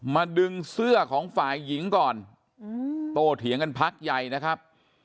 ดึงเสื้อของฝ่ายหญิงก่อนโตเถียงกันพักใหญ่นะครับ